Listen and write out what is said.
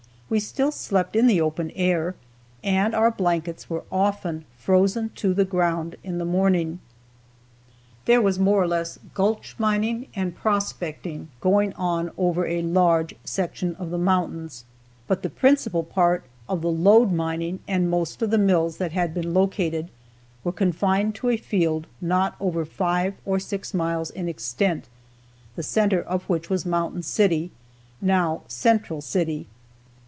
We still slept in the open air, and our blankets were often frozen to the ground in the morning. There was more or less gulch mining and prospecting going on over a large section of the mountains, but the principal part of the lode mining, and most of the mills that had been located, were confined to a field not over five or six miles in extent, the center of which was Mountain City, now Central City.